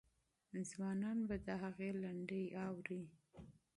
ځوانان به د هغې لنډۍ اوري.